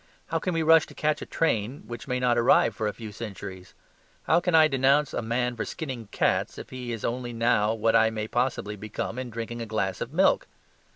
How can we rush to catch a train which may not arrive for a few centuries? How can I denounce a man for skinning cats, if he is only now what I may possibly become in drinking a glass of milk?